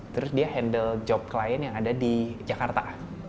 terus dia handle job klien yang ada di jakarta